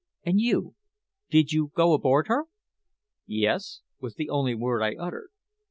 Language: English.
"And you did you go aboard her?" "Yes," was the only word I uttered.